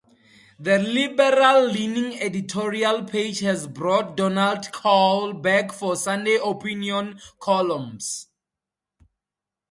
The liberal-leaning editorial page has brought Donald Kaul back for Sunday opinion columns.